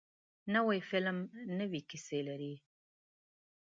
نوی فلم نوې کیسه لري